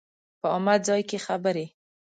په عامه ځای کې خبرې